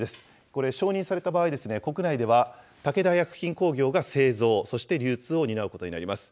これ、承認された場合、国内では武田薬品工業が製造、そして流通を担うことになります。